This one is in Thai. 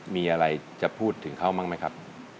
มีอะไรจะพูดถึงเขาบ้างไหมครับ